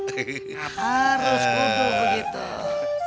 harus kubur begitu